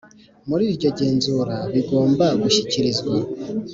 Muri iryo genzura bigomba gushyikirizwa